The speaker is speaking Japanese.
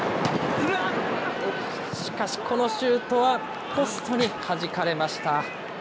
しかし、このシュートはポストにはじかれました。